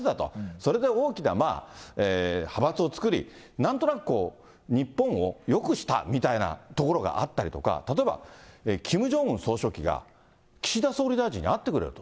それで大きな派閥を作り、なんとなく、こう日本をよくしたみたいなところがあったりとか、例えば、キム・ジョンウン総書記が岸田総理大臣に会ってくれると。